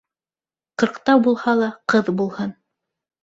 Ҡырҡта булһа ла ҡыҙ булһын.